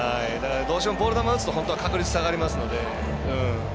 どうしてもボール球打つとどうしても確率下がりますので。